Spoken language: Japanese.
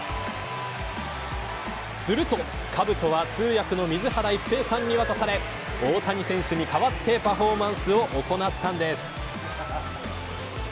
すると、かぶとは通訳の水原一平さんに渡され大谷選手に代わってパフォーマンスを行ったのです。